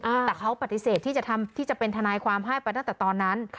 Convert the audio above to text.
แต่เขาปฏิเสธที่จะทำที่จะเป็นทนายความให้ไปตั้งแต่ตอนนั้น